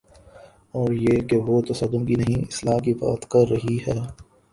اوریہ کہ وہ تصادم کی نہیں، اصلاح کی بات کررہی ہے۔